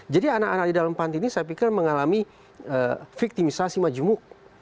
jadi anak anak di dalam panti ini saya pikir mengalami victimisasi majmuk